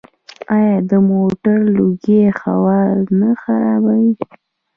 آیا د موټرو لوګی هوا نه خرابوي؟